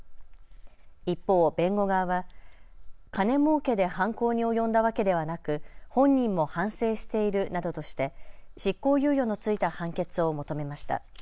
一方、弁護側は金もうけで犯行に及んだわけではなく本人も反省しているなどとして執行猶予の付いた判決を求めました。